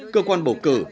cơ quan bầu cử